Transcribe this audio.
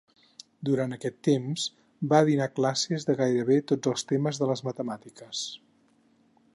Durant aquest temps va dinar classes de gairebé tots els temes de les matemàtiques.